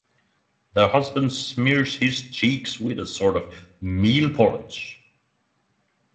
The husband smears his cheeks with a sort of meal-porridge.